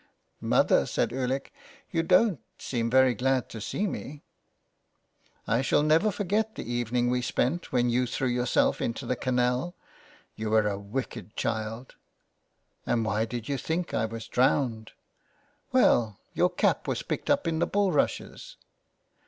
" Mother," said Ulick, " you don't seem very glad to see me." " I shall never forget the evening we spent when }'ou threw yourself into the canal. You were a wicked child." " And why did you think I was drowned ?" "Well, your cap was picked up in the bulrushes."